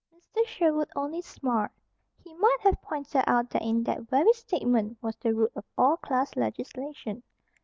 Mr. Sherwood only smiled. He might have pointed out that in that very statement was the root of all class legislation.